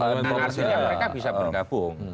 artinya mereka bisa bergabung